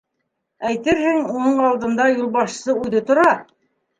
Әйтерһең, уның алдында юлбашсы үҙе тора.